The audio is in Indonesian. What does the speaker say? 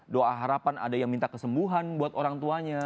doa harapan ada yang minta kesembuhan buat orang tuanya